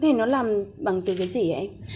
thì nó làm bằng từ cái gì ấy